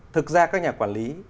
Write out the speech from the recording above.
thực ra các nhà quản lý